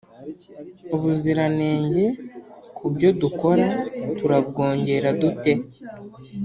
ubuziranenge ku byo dukora turabwongera dute